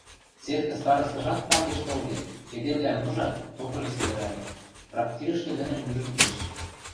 Церкӹ старостыжат такеш толде, эдемвлӓм ужат, токыжы сӹгӹрӓльӹ, трактирӹшкӹ нӹнӹм ӱжӹн кеш.